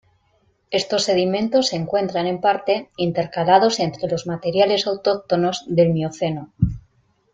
Estos sedimentos se encuentran, en parte, intercalados entre los materiales autóctonos del Mioceno.